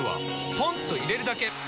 ポンと入れるだけ！